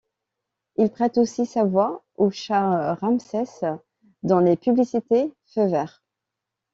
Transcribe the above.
Il prête aussi sa voix au chat Ramsès dans les publicités Feu vert.